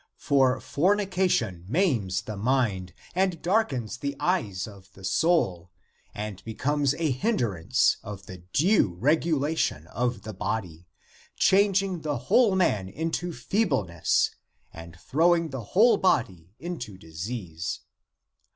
For fornica tion maims the mind and darkens the eyes of the soul, and becomes a hindrance of the due regula tion of the body, changing the whole man into fee bleness, and throwing the whole body into disease.